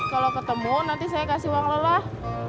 kalau ketemu nanti saya kasih uang lelah